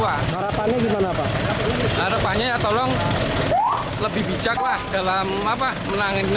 harapannya gimana pak harapannya tolong lebih bijak lah dalam apa menang ini